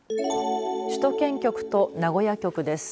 首都圏局と名古屋局です。